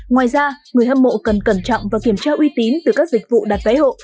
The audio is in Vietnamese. ngoài ra người hâm mộ cần cẩn trọng và kiểm tra uy tín từ các dịch vụ đặt vé hộ